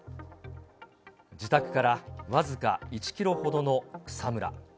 自宅から僅か１キロほどの草むら。